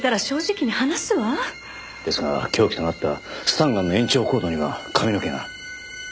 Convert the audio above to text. ですが凶器となったスタンガンの延長コードには髪の毛が。